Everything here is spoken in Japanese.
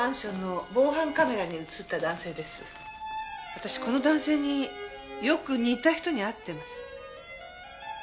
私この男性によく似た人に会ってます。